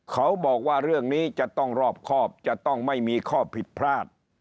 เขาบอกว่าเรื่องนี้จะต้องรอบครอบจะต้องไม่มีข้อผิดพลาด